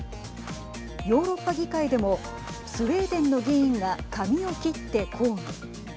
ヨーロッパ議会でもスウェーデンの議員が髪を切って抗議。